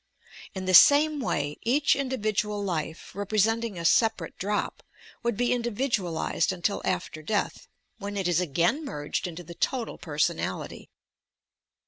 In the same way each individual life, representing a separate drop, would be individualized until after death, when it is again merged into the total personality.